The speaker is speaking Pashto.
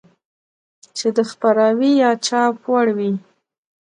چې د خپراوي يا چاپ وړ وي.